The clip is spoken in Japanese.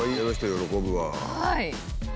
はい！